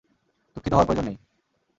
দুঃখিত হওয়ার প্রয়োজন নেই।